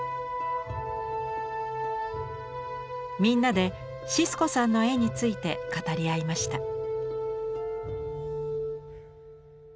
みんなでシスコさんの絵について語り合いました。